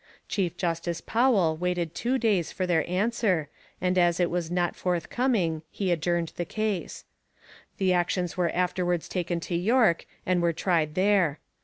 Chief Justice Powell waited two days for their answer, and as it was not forthcoming he adjourned the case. The actions were afterwards taken to York and were tried there.